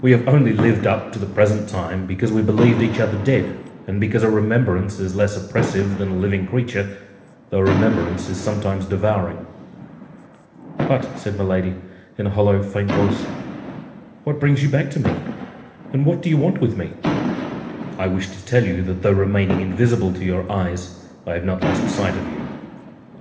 "We have only lived up to the present time because we believed each other dead, and because a remembrance is less oppressive than a living creature, though a remembrance is sometimes devouring." "But," said Milady, in a hollow, faint voice, "what brings you back to me, and what do you want with me?" "I wish to tell you that though remaining invisible to your eyes, I have not lost sight of you."